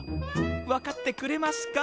分かってくれますか！